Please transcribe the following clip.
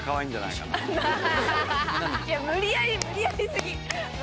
いや無理やり無理やりすぎ。